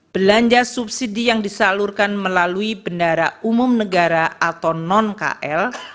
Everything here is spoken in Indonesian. belanja subsidi yang disalurkan melalui bendara umum negara atau non kl